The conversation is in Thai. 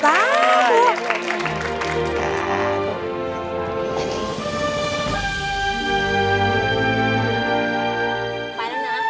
ก่อนจะมา